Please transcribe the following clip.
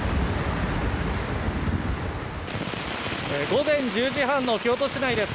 午前１０時半の京都市内です。